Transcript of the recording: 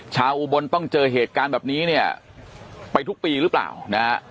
อุบลต้องเจอเหตุการณ์แบบนี้เนี่ยไปทุกปีหรือเปล่านะฮะ